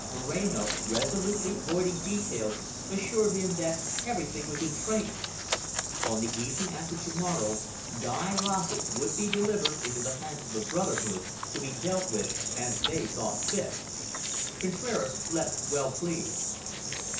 Moreno, resolutely avoiding details, assured him that everything was in train. On the evening after to morrow Guy Rossett would be delivered into the hands of the brotherhood, to be dealt with as they thought fit. Contraras left well pleased.